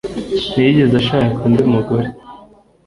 ntiyigeze ashaka undi mugore